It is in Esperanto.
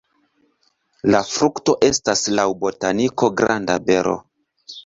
La frukto estas laŭ botaniko granda bero.